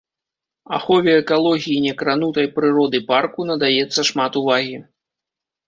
Ахове экалогіі некранутай прыроды парку надаецца шмат увагі.